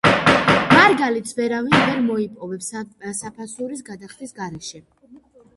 მარგალიტს ვერავინ ვერ მოიპოვებს საფასურის გადახდის გარეშე.